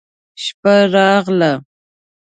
شپه راغله.